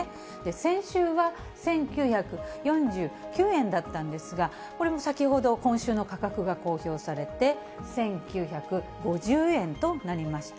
先週は、１９４９円だったんですが、これも先ほど今週の価格が公表されて、１９５０円となりました。